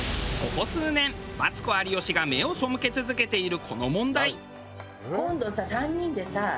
ここ数年マツコ有吉が目を背け続けているこの問題。